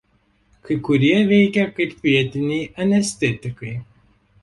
Kai kurie veikia kaip vietiniai anestetikai.